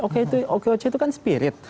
oke itu okoc itu kan spirit